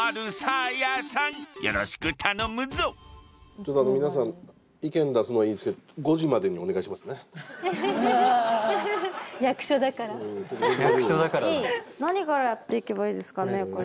ちょっとあの皆さん意見出すのはいいんですけど何からやっていけばいいですかねこれ。